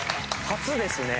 初ですね。